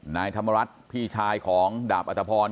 นายธรรมรัฐพี่ชายของดาบอัตภพร